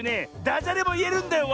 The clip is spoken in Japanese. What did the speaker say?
ダジャレもいえるんだよ